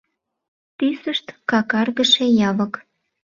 Тӱсышт какаргыше, явык.